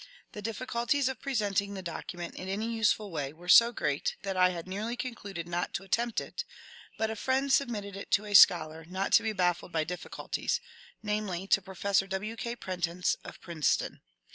The difficulties of presenting the document in any useful way were so great that I had nearly concluded not to attempt it, but a friend submitted it to a scholar not to be baffled by difficulties, namely to Pro fessor W. K. Prentice of Princeton.